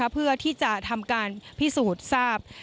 เพื่อที่จะทำการพิสูจน์ทราบ